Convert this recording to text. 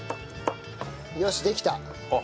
よしできた。